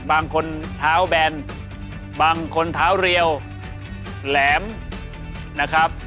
บางคนเท้าแบนบางคนเท้าเรียวแหลมนะครับ